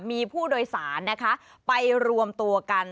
มีผู้โดยสารนะคะไปรวมตัวกัน